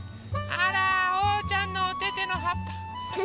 あらおうちゃんのおててのはっぱ。